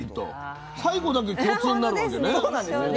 最後だけ共通になるわけね。